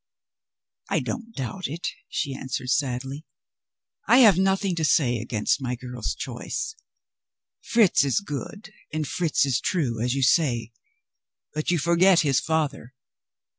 "I don't doubt it," she answered sadly, "I have nothing to say against my girl's choice. Fritz is good, and Fritz is true, as you say. But you forget his father.